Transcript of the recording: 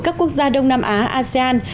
các quốc gia đông nam á asean